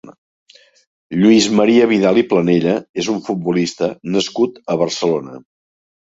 Lluís Maria Vidal i Planella és un futbolista nascut a Barcelona.